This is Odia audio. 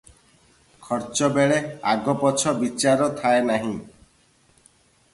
ଖର୍ଚ୍ଚବେଳେ ଆଗପଛ ବିଚାର ଥାଏ ନାହିଁ ।